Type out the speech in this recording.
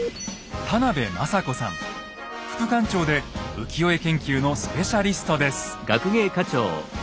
副館長で浮世絵研究のスペシャリストです。